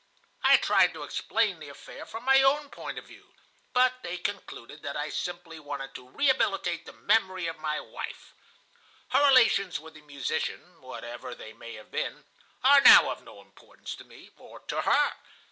I tried to explain the affair from my own point of view, but they concluded that I simply wanted to rehabilitate the memory of my wife. Her relations with the musician, whatever they may have been, are now of no importance to me or to her.